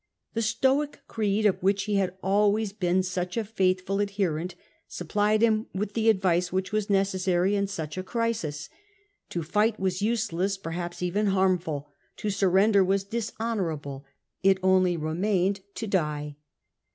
The Stoic creed, of which he had always been such a firm adherent, supplied him with the advice which was necessary in such a crisis. THE DEATH OF CATO 231 To figlit was useless, perhaps even harmful ; to surrender was dishonourable ; it only remained to die.